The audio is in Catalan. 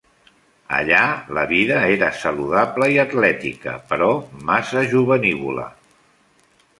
Allà la vida era saludable i atlètica, però massa jovenívola.